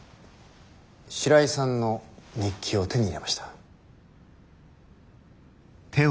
白井さんの日記を手に入れました。